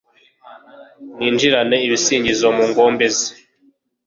mwinjirane ibisingizo mu ngombe ze